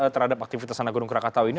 terhadap aktivitas anak gunung krakatau ini